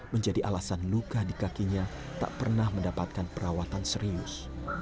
menjadi alasan luka di kakinya tak pernah mendapatkan perawatan serius